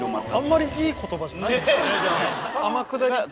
あんまりいい言葉じゃないんですねじゃあ。